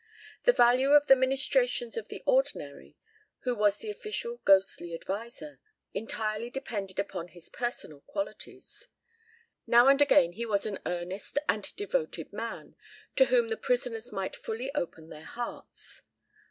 The value of the ministrations of the ordinary, who was the official ghostly adviser, entirely depended upon his personal qualities. Now and again he was an earnest and devoted man, to whom the prisoners might fully open their hearts.